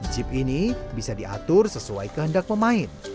jeep ini bisa diatur sesuai kehendak pemain